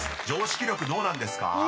常識力どうなんですか？］